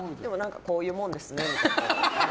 こういうもんですね、みたいな。